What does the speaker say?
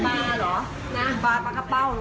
ป่าปร้ากระเป้า